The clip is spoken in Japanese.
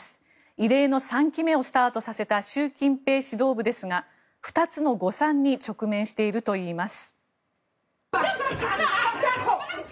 異例の３期目をスタートさせた習近平指導部ですが２つの誤算に直面しているといいます。